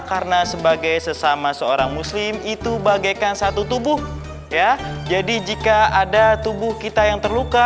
karena sebagai sesama seorang muslim itu bagaikan satu tubuh ya jadi jika ada tubuh kita yang terluka